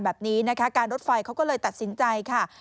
แบบนี้นะคะการรถไฟเขาก็เลยตัดสินใจค่ะ